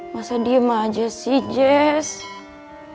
masa diem aja sih jazz